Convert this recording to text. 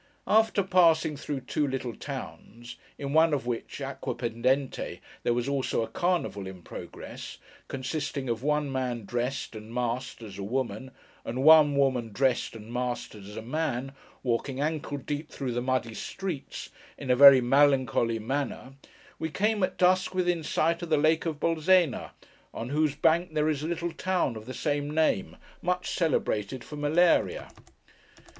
After passing through two little towns; in one of which, Acquapendente, there was also a 'Carnival' in progress: consisting of one man dressed and masked as a woman, and one woman dressed and masked as a man, walking ankle deep, through the muddy streets, in a very melancholy manner: we came, at dusk, within sight of the Lake of Bolsena, on whose bank there is a little town of the same name, much celebrated for malaria.